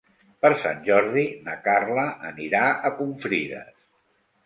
Per Sant Jordi na Carla anirà a Confrides.